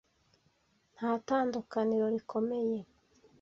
Nta tandukaniro rikomeye.